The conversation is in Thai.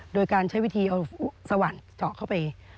โดยการใช้วิธีเอาสว่างเจาะเข้าไป